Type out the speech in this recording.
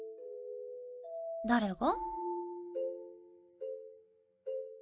誰が？